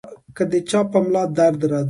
کۀ د چا پۀ ملا درد راځي -